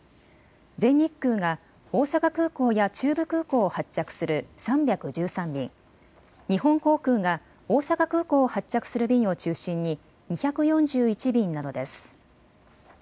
全日空が大阪空港や中部空港を発着する３１３便、日本航空が大阪空港を発着する便を中心に２４１便などです。